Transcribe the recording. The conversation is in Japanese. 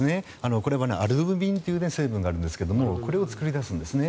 これはアルブミンという成分があるんですがこれを作り出すんですね。